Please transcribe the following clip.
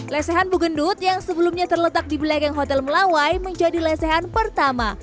lesehan bugendut yang sebelumnya terletak di belakang hotel melawai menjadi lesehan pertama